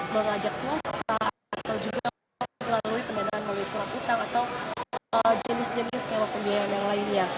mengajak swasta atau juga melalui pendanaan melalui surat utang atau jenis jenis sewa pembiayaan yang lainnya